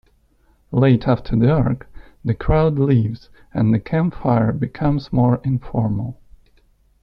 Late after dark, the crowd leaves and the campfire becomes more informal.